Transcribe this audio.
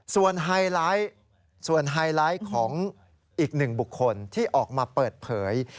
ส่วนไฮไลท์ของอีกหนึ่งบุคคลที่ออกมาเปิดเผย